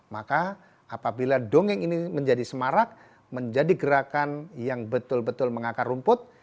maka apabila dongeng ini menjadi semarak menjadi gerakan yang betul betul mengakar rumput